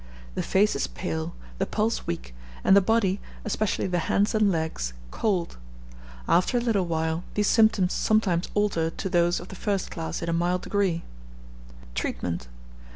The face is pale, the pulse weak, and the body, especially the hands and legs, cold. After a little while, these symptoms sometimes alter to those of the first class in a mild degree. _Treatment.